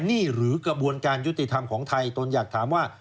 นี่หรือกระบวนการยุติธรรมของไทยตนอยากถามว่า